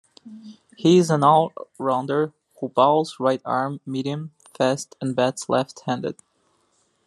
He is an all-rounder who bowls right-arm medium fast and bats left-handed.